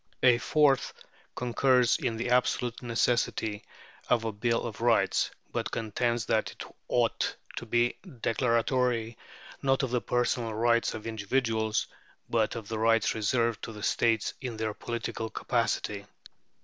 A fourth concurs in the absolute necessity of a bill of rights, but contends that it ought to be declaratory not of the personal rights of individuals, but of the rights reserved to the states in their political capacity.